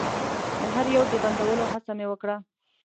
د هر يو د بندولو هڅه مې وکړه.